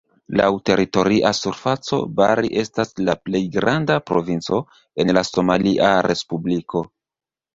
Laŭ teritoria surfaco, Bari estas la plej granda provinco en la somalia respubliko.